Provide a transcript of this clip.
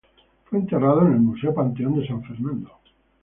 Fue enterrado en el Museo Panteón de San Fernando.